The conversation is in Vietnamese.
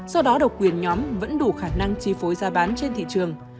do đó độc quyền nhóm vẫn đủ khả năng chi phối giá bán trên thị trường